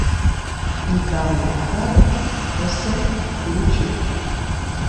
Il parle l'arabe, le français et le turc.